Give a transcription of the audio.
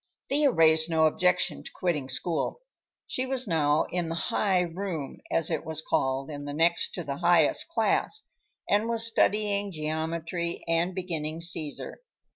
Thea raised no objection to quitting school. She was now in the "high room," as it was called, in next to the highest class, and was studying geometry and beginning Caesar.